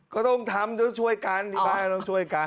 ก็ต้องทำต้องช่วยกันที่บ้านต้องช่วยกัน